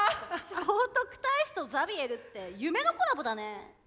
聖徳太子とザビエルって夢のコラボだね。